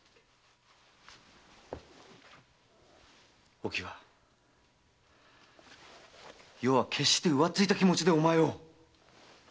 お喜和余は決して浮ついた気持ちでお前を！